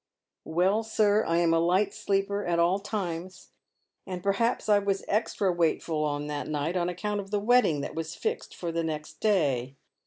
" Well, sir, I am a light sleeper at all times, and perhaps I was extra wakeful on that night on account of the wedding that was fixed for next day.